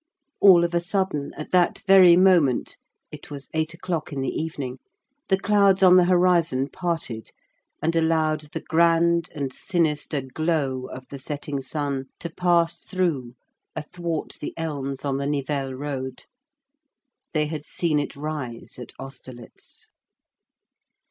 All of a sudden, at that very moment,—it was eight o'clock in the evening—the clouds on the horizon parted, and allowed the grand and sinister glow of the setting sun to pass through, athwart the elms on the Nivelles road. They had seen it rise at Austerlitz.